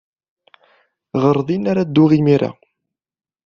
Ɣer din ara dduɣ imir-a.